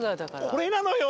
これなのよ。